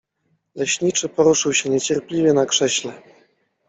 Leśniczy poruszył się niecierpliwie na krześle.